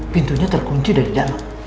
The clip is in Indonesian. pintunya terkunci dari dalam